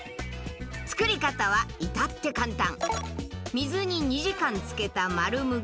作り方は至って簡単。